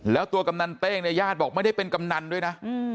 แล้วตัวกำนันเต้งเนี่ยญาติบอกไม่ได้เป็นกำนันด้วยนะ